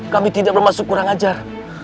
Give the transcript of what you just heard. kami tidak bermaksud kurang ajar